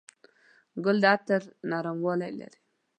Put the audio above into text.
ګل د عطر نرموالی لري.